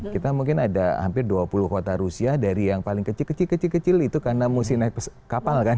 kita mungkin ada hampir dua puluh kota rusia dari yang paling kecil kecil kecil kecil itu karena musim naik kapal kan